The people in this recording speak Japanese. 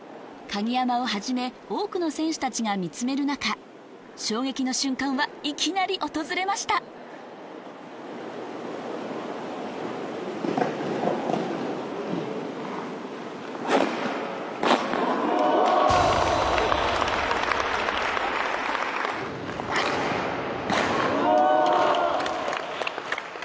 鍵山をはじめ多くの選手達が見つめる中衝撃の瞬間はいきなり訪れましたうお！